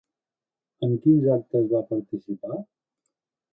En quins actes va participar?